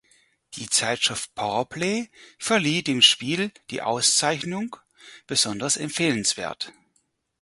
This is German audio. Die Zeitschrift "Power Play" verlieh dem Spiel die Auszeichnung "Besonders empfehlenswert".